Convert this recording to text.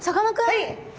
はい。